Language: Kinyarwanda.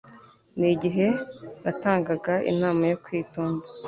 ni igihe natangaga inama yo kwitonda